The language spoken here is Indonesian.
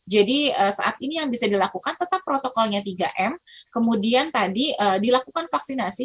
jadi saat ini yang bisa dilakukan tetap protokolnya tiga m kemudian tadi dilakukan vaksinasi